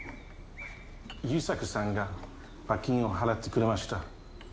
優作さんが罰金を払ってくれました